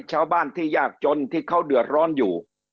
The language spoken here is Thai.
ชาวบ้านที่ยากจนที่เขาเดือดร้อนอยู่